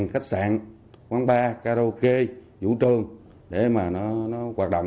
khách sạn quán bar karaoke vũ trường để mà nó hoạt động